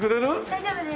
大丈夫です。